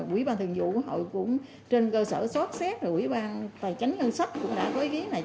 quỹ ban thường vụ quốc hội cũng trên cơ sở xót xét rồi quỹ ban tài chánh ngân sách cũng đã có ý kiến này